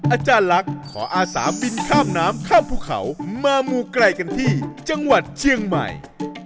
อาจารย์ลักษณ์ขออาสาบินข้ามน้ำข้ามภูเขามามูไกลกันที่จังหวัดเชียงใหม่